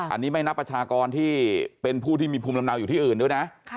อันนี้ไม่นับประชากรที่เป็นผู้ที่มีภูมิลำเนาอยู่ที่อื่นด้วยนะ